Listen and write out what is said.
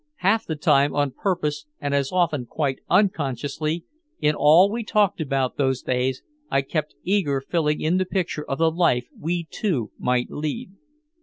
Half the time on purpose and as often quite unconsciously, in all we talked about those days I kept eagerly filling in the picture of the life we two might lead.